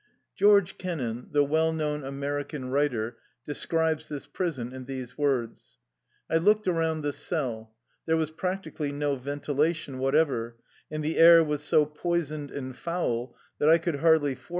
George Kennan, the well known American writer, describes this prison in these words :^" I looked around the cell. There was prac tically no ventilation whatever, and the air was so poisoned and foul that I could hardly force 4 Convicts who are being transported.